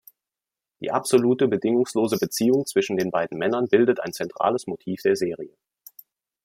Die absolute, bedingungslose Beziehung zwischen den beiden Männern bildet ein zentrales Motiv der Serie.